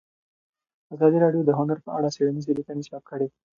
ازادي راډیو د هنر په اړه څېړنیزې لیکنې چاپ کړي.